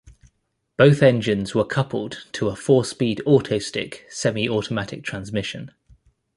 Both engines were coupled to a four-speed Autostick semi-automatic transmission.